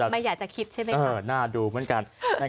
ไม่อยากจะคิดใช่ไหมครับน่าดูเหมือนกัน